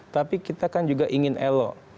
tapi kita kan juga ingin elok